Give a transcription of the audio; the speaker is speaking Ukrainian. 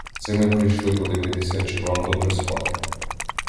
Це ми прийшли подивитися, чи вам добре спати.